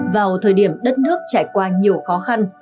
vào thời điểm đất nước trải qua nhiều khó khăn